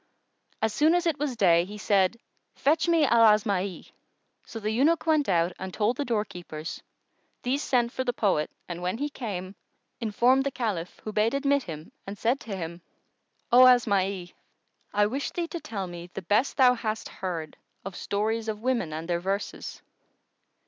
As soon as it was day, he said, "Fetch me Al Asma'i!"[FN#114] So the eunuch went out and told the doorkeepers; these sent for the poet and when he came, informed the Caliph who bade admit him and said to him, "O Asma'i, I wish thee to tell me the best thou hast heard of stories of women and their verses."